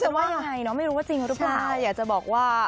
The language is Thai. ว่ายังไงเนาะไม่รู้ว่าจริงหรือเปล่าใช่อยากจะบอกว่า